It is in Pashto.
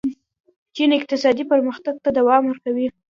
چین اقتصادي پرمختګ ته دوام ورکوي.